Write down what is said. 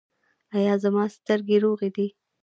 ایا زما سترګې روغې دي؟